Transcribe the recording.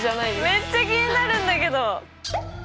めっちゃ気になるんだけど。